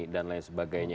dan lain sebagainya